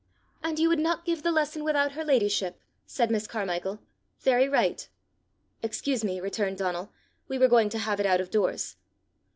"And you would not give the lesson without her ladyship!" said Miss Carmichael. "Very right!" "Excuse me," returned Donal; "we were going to have it out of doors."